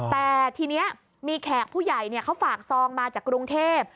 แต่ทีนี้มีแขกผู้ใหญ่เขาฝากซองมาจากกรุงเทพ